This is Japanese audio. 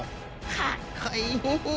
かっこいい。